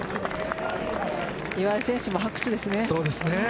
岩井選手も拍手ですね。